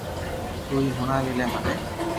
تو ھي ھڻاوي لي مني